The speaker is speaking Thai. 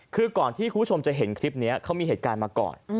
คือก่อนที่คุณผู้ชมจะเห็นคลิปนี้เขามีเหตุการณ์มาก่อน